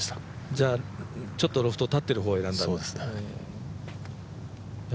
じゃあ、ちょっとロフト立ってる方を選んだんだ。